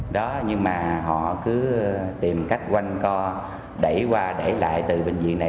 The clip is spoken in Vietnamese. đó nhưng mà họ cứ tìm cách quanh co đẩy qua để lại từ bệnh viện này